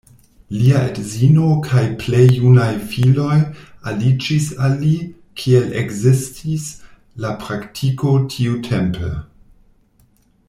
Lia edzino kaj plej junaj filoj aliĝis al li, kiel ekzistis la praktiko tiutempe.